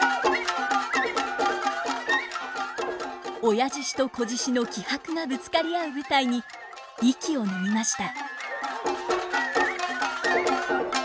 親獅子と仔獅子の気迫がぶつかり合う舞台に息をのみました。